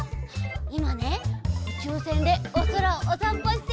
いまねうちゅうせんでおそらをおさんぽしているんだ！